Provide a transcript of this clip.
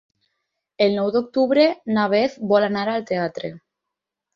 El nou d'octubre na Beth vol anar al teatre.